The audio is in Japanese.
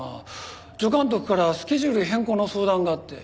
助監督からスケジュール変更の相談があって。